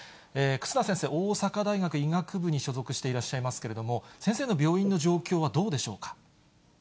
忽那先生、大阪大学医学部に所属していらっしゃいますけれども、先生の病院の状況はどうでしょうか。